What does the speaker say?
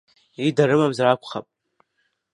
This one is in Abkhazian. Ида рымамзар акәхап…